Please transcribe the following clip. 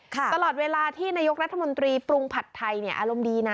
ตลอดเวลาที่นายกรัฐมนตรีปรุงผัดไทยเนี่ยอารมณ์ดีนะ